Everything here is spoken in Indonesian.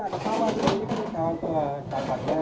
ini kan di tengah tengah